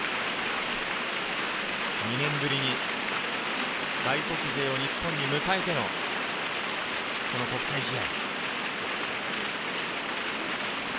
２年ぶりに外国勢を日本に迎えての国際試合。